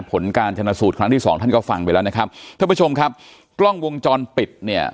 ผลการชนะสูตรครั้งที่สองท่านก็ฟังไปแล้วนะครับท่านผู้ชมครับกล้องวงจรปิดเนี่ย